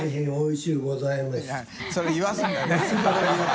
修言わすんだね。